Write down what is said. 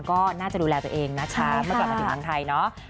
ก็น่าจะดูแลตัวเองนะคะเมื่อกลับมาถึงเมืองไทยเนาะ